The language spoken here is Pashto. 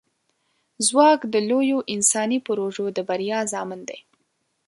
ځواک د لویو انساني پروژو د بریا ضامن دی.